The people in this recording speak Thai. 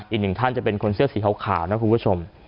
อีกหนึ่งท่านจะเป็นคนเสื้อสีขาวนะคุณผู้ชม